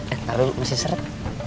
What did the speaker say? eh taruh dulu masih seret